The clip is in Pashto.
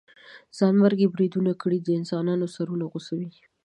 ځانمرګي بريدونه کړئ د انسانانو سرونه غوڅوئ.